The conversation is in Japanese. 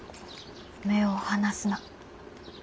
目を離すな。